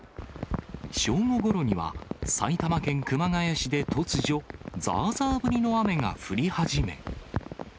正午ごろには、埼玉県熊谷市で突如、ざーざー降りの雨が降り始め。